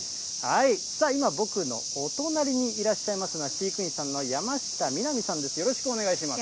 今、僕のお隣にいらっしゃいますのは、飼育員さんの山下みなみさんです、よろしくお願いします。